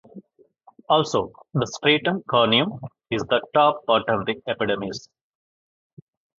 Also, the stratum corneum is the top part of the epidermis.